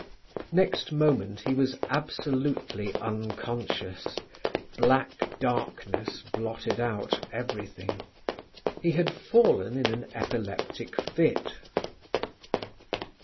Next moment he was absolutely unconscious; black darkness blotted out everything. He had fallen in an epileptic fit.